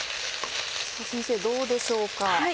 先生どうでしょうか？